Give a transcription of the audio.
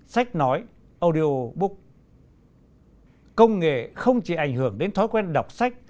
sách nói công nghệ không chỉ ảnh hưởng đến thói quen đọc sách